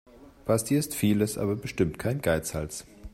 Basti ist vieles, aber bestimmt kein Geizhals.